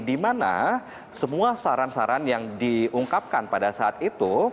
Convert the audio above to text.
dimana semua saran saran yang diungkapkan pada saat itu